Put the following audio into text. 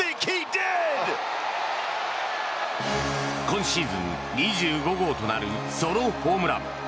今シーズン２５号となるソロホームラン。